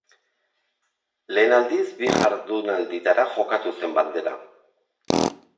Lehen aldiz bi jardunalditara jokatu zen bandera.